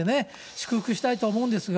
祝福したいとは思うんですが。